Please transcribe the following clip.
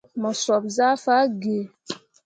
Mo sop zah fah gǝǝ.